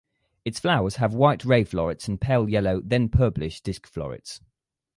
Its flowers have white ray florets and pale yellow then purplish disk florets.